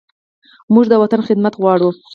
موږ د وطن خدمت غواړو.